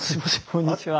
こんにちは。